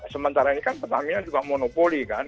sementara ini kan petaninya juga monopoli kan